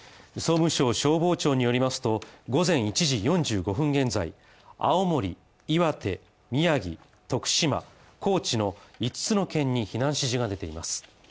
総務省消防庁によりますと午前１時４５分現在、青森岩手、宮城、徳島、高知の五つの県に避難指示が出ています。